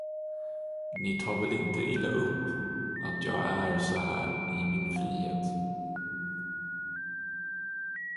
Ni tar väl inte illa upp, att jag är så här i min frihet.